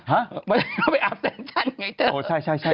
ห้ะเมื่อก่อนไปอาศัลจันทร์ไงเธอ